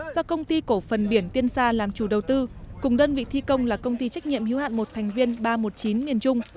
do công ty cổ phần biển tiên sa làm chủ đầu tư cùng đơn vị thi công là công ty trách nhiệm hiếu hạn một thành viên ba trăm một mươi chín miền trung